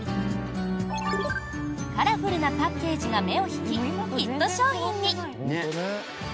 カラフルなパッケージが目を引きヒット商品に。